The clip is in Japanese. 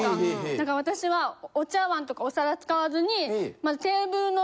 だから私はお茶碗とかお皿使わずに。